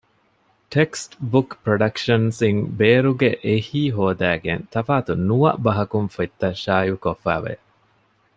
ޓެކްސްޓް ބުކް ޕްރޮޑަކްޝަންސް އިން ބޭރުގެ އެހީ ހޯދައިގެން ތަފާތު ނުވަ ބަހަކުން ފޮަތްތައް ޝާއިއު ކޮށްފައިވެ